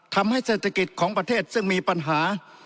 ทำให้เศรษฐกิจของประเทศซึ่งมีปัญหา